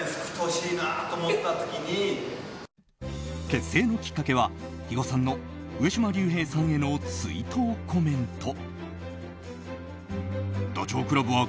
結成のきっかけは、肥後さんの上島竜兵さんへの追悼コメント。